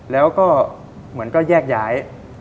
แล้วก็เหมือนก็แยกย้าย